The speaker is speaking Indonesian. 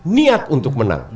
niat untuk menang